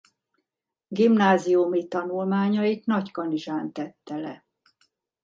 Gimnáziumi tanulmányait Nagykanizsán tette le.